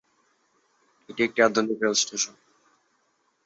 এটি একটি আধুনিক রেল স্টেশন।